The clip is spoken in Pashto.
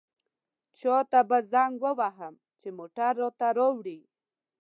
چاته به زنګ ووهم چې موټر راته راوړي.